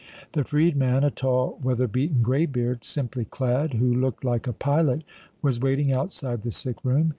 The freedman, a tall, weather beaten greybeard, simply clad, who looked like a pilot, was waiting outside the sick room.